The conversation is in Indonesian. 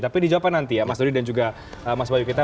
tapi dijawabkan nanti ya mas dodi dan juga mas bayu kita